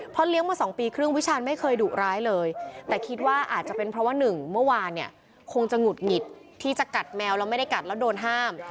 เลี้ยงมา๒ปีครึ่งวิชาณไม่เคยดุร้ายเลยแต่คิดว่าอาจจะเป็นเพราะว่าหนึ่งเมื่อวานเนี่ยคงจะหงุดหงิดที่จะกัดแมวแล้วไม่ได้กัดแล้วโดนห้าม